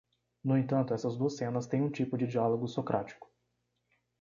No entanto, essas duas cenas têm um tipo de diálogo socrático.